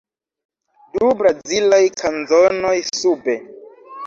Du brazilaj kanzonoj, sube.